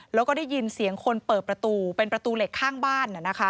แล้วก็ได้ยินเสียงคนเปิดประตูเป็นประตูเหล็กข้างบ้าน